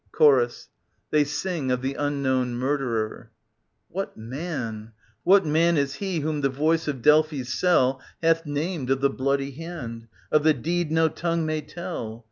Chorus. [ They sing of the unknown murder er^ What man, what man is he whom the voice of Delphi's cell Hath named of the bloody hand, of the deed no tongue may tell